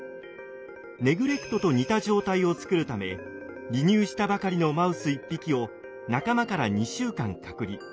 ネグレクトと似た状態を作るため離乳したばかりのマウス１匹を仲間から２週間隔離。